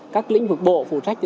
các lĩnh vực bộ phụ trách